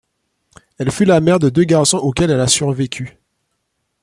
Elle fut la mère de deux garçons auxquels elle a survécu.